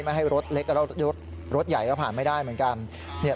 ไม่ให้รถเล็กแล้วรถใหญ่ก็ผ่านไม่ได้เหมือนกัน